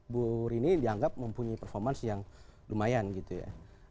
bu rini dianggap mempunyai performance yang lumayan gitu ya